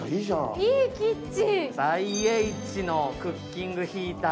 ＩＨのクッキングヒーター。